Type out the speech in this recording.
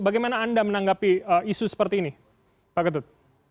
bagaimana anda menanggapi isu seperti ini pak ketut